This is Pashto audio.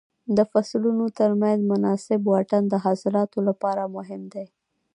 د فصلونو تر منځ مناسب واټن د حاصلاتو لپاره مهم دی.